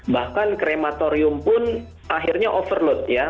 bahkan krematorium pun akhirnya overload ya